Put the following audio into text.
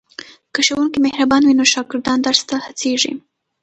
که ښوونکی مهربان وي نو شاګردان درس ته هڅېږي.